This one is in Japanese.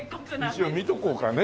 一応見とこうかね。